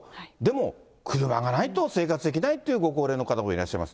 でも、車がないと生活できないというご高齢の方もいらっしゃいます。